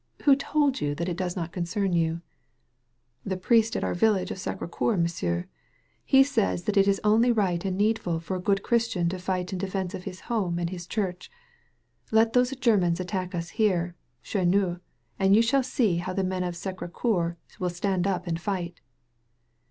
Who told you that it does not concern you?" "The priest at our village of SacrS Cceur^ M'sieu". He says that it is only right and needful for a good Christian to jBght in defense of his home and his church. Let those Germans attack us here, chez nous, and you shall see how the men of S<zcr6 Cceur will stand up and fight."